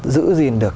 giữ gìn được